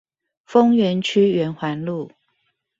豐原區圓環路